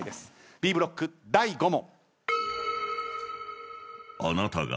Ｂブロック第５問。